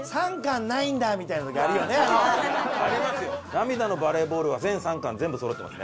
『涙のバレーボール』は全３巻全部そろってますね。